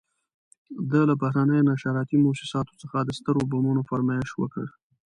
ده له بهرنیو نشراتي موسساتو څخه د سترو بمونو فرمایش وکړ.